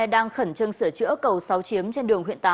đang khẩn trương sửa chữa cầu sáu chiếm trên đường huyện tám